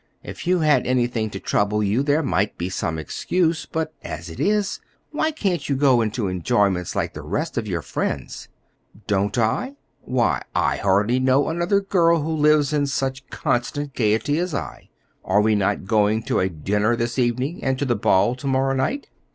If you had anything to trouble you, there might be some excuse; but as it is, why can't you go into enjoyments like the rest of your friends?" "Don't I? Why, I hardly know another girl who lives in such constant gayety as I. Are we not going to a dinner this evening and to the ball to morrow night?"